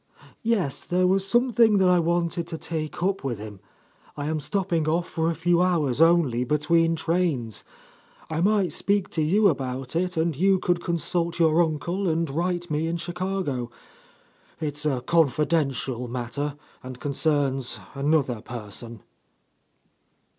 "Yes, there was something that I wanted to take up with him. I am stopping off for a few hours only, between trains. I might speak to you about it, and you could consult your uncle and write me in Chicago. It's a confidential matter, and concerns another person."